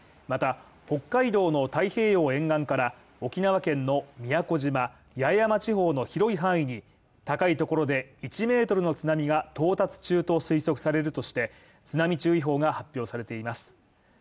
また、北海道の太平洋沿岸から、沖縄県の宮古島八重山地方の広い範囲に高いところで１ｍの津波が到達すると推測されるとして、津波注意報が発表されています。